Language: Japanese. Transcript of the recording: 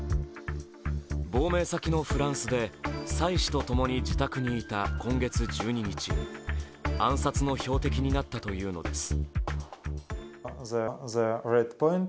亡命先のフランスで妻子とともに自宅にいた今月１２日暗殺の標的になったというのです。